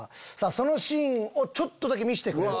そのシーンをちょっとだけ見してくれる。